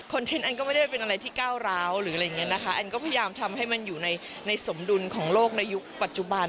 แอนก็ไม่ได้เป็นอะไรที่ก้าวร้าวหรืออะไรอย่างนี้นะคะแอนก็พยายามทำให้มันอยู่ในสมดุลของโลกในยุคปัจจุบัน